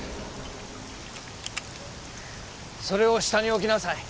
それを下に置きなさい。